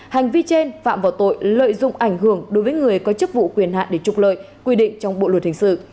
hành vi trên phạm vào tội lợi dụng ảnh hưởng đối với người có chức vụ quyền hạn để trục lợi quy định trong bộ luật hình sự